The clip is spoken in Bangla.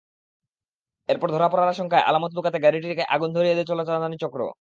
এরপর ধরা পড়ার আশঙ্কায় আলামত লুকাতে গাড়িটিতে আগুন ধরিয়ে দেয় চোরাচালানি চক্র।